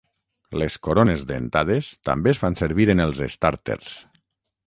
Les corones dentades també es fan servir en els estàrters.